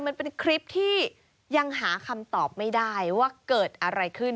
มันเป็นคลิปที่ยังหาคำตอบไม่ได้ว่าเกิดอะไรขึ้น